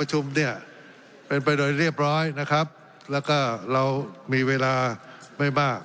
ประชุมเนี่ยเป็นไปโดยเรียบร้อยนะครับแล้วก็เรามีเวลาไม่มาก